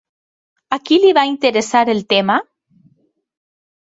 A qui li va interessar el tema?